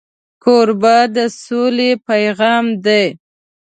کوربه د سولې پیغام دی.